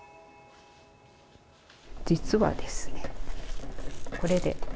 実はですね、これで。